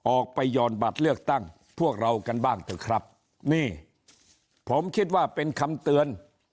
ออกไปหย่อนบัตรเลือกตั้งพวกเรากันบ้างเถอะครับนี่ผมคิดว่าเป็นคำเตือน